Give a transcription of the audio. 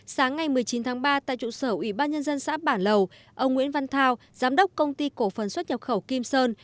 sáng ngày một mươi chín tháng ba tại trụ sở ủy ban nhân dân xã bản lầu ông nguyễn văn thao giám đốc công ty cổ phần xuất nhập khẩu kim sơn